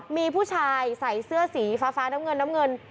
มีผู้ชายใส่เสื้อสีฟ้าน้ำเงิน